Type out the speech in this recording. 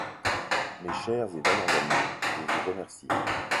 Mes chers et vaillants amis, Je vous remercie.